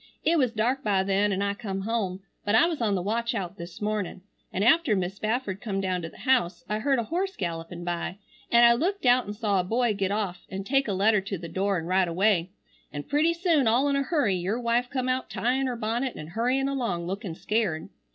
It was dark by then an I come home, but I was on the watchout this morning, and after Mis' Spafford come down to the house I heard a horse gallopin by an I looked out an saw a boy get off an take a letter to the door an ride away, an pretty soon all in a hurry your wife come out tyin her bonnet and hurryin along lookin scared.